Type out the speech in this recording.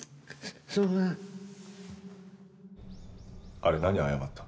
あれ何謝ったの？